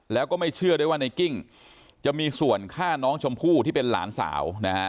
แล้วก็ไม่เชื่อด้วยว่าในกิ้งจะมีส่วนฆ่าน้องชมพู่ที่เป็นหลานสาวนะฮะ